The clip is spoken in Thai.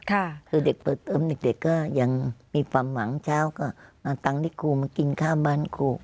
คือเด็กเปิดเติมเด็กก็ยังมีความหวังเช้าก็เอาตังค์ที่ครูมากินข้าวบ้านครู